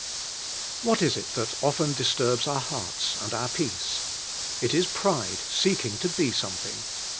What is it that often disturbs our hearts, and our peace? It is pride seeking to be something.